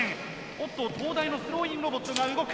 おっと東大のスローイングロボットが動く。